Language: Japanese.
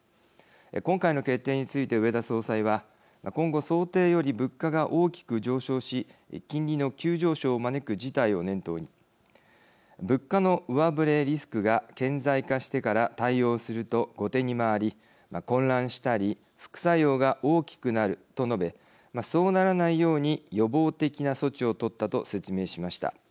今回の決定について、植田総裁は今後、想定より物価が大きく上昇し金利の急上昇を招く事態を念頭に「物価の上振れリスクが顕在化してから対応すると後手に回り、混乱したり副作用が大きくなる」と述べそうならないように予防的な措置を取ったと説明しました。